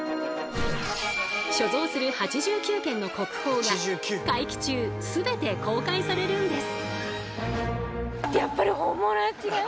所蔵する８９件の国宝が会期中すべて公開されるんです！